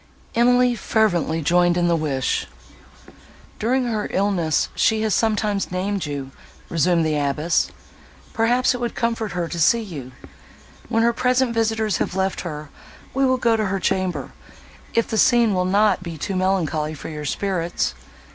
Emily fervently joined in the wish. "During her illness, she has sometimes named you," resumed the abbess; "perhaps, it would comfort her to see you; when her present visitors have left her, we will go to her chamber, if the scene will not be too melancholy for your spirits.